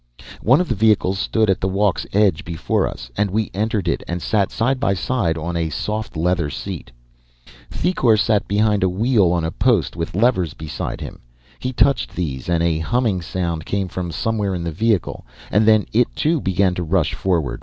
"One of the vehicles stood at the walk's edge before us, and we entered it and sat side by side on a soft leather seat. Thicourt sat behind a wheel on a post, with levers beside him. He touched these and a humming sound came from somewhere in the vehicle and then it too began to rush forward.